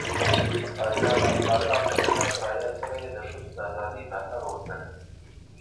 غازي امان الله خان ملکه ثریا سره یې د ښځو د ازادۍ ملاتړ وکړ.